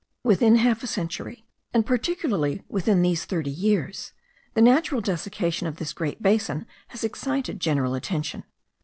Within half a century, and particularly within these thirty years, the natural desiccation of this great basin has excited general attention.